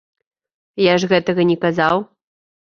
Я ж гэтага не казаў.